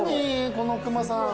この熊さん。